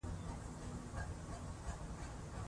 ژبه زده کول د عصبي زېرمو پیاوړتیا کوي.